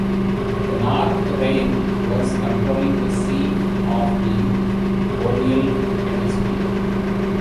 the North Reign was controlling the sea of the boreal hemisphere